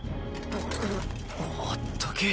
うぅあったけぇ。